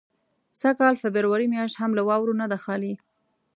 سږ کال فبروري میاشت هم له واورو نه ده خالي.